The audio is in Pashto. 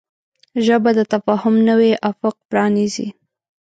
ژبه د تفاهم نوی افق پرانیزي